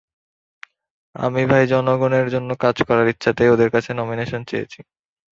আমি ভাই জনগণের জন্য কাজ করার ইচ্ছাতেই ওদের কাছে নমিনেশন চেয়েছি।